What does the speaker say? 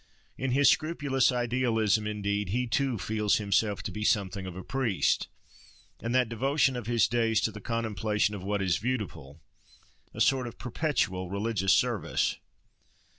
In his scrupulous idealism, indeed, he too feels himself to be something of a priest, and that devotion of his days to the contemplation of what is beautiful, a sort of perpetual religious service.